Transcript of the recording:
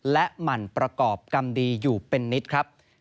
และหมั่นประกอบกรรมดีอยู่เป็นนิดครับ